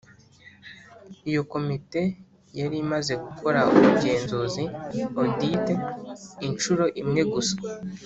iyo Komite yari imaze gukora ubugenzuzi audit inshuro imwe gusa